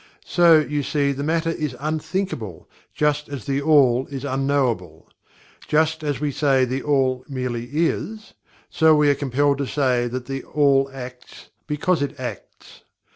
So, you see, the matter is Unthinkable, just as THE ALL is Unknowable. Just as we say THE ALL merely "IS" so we are compelled to say that "THE ALL ACTS BECAUSE IT ACTS."